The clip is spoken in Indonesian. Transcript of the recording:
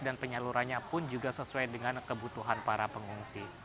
dan penyalurannya pun juga sesuai dengan kebutuhan para pengungsi